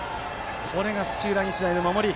これが土浦日大の守り。